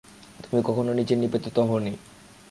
তুমি কখনও নিচে নিপতিত হওনি।